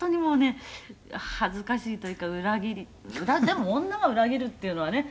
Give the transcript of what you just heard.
「でも女が裏切るっていうのはね